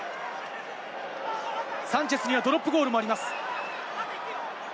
サンチェスにはドロップゴールもあります。